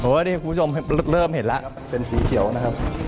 วันนี้คุณผู้ชมเริ่มเห็นแล้วเป็นสีเขียวนะครับ